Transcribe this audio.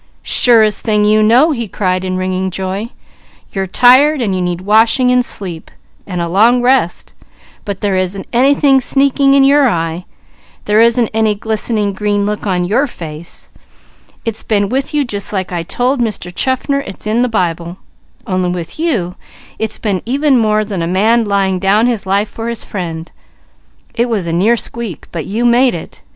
"Surest thing you know!" he cried in ringing joy. "You're tired, you need washing, sleep, and a long rest, but there isn't any glisteny, green look on your face. It's been with you, like I told Mr. Chaffner it's in the Bible; only with you, it's been even more than a man 'laying down his life for his friend,' it was a near squeak, but you made it!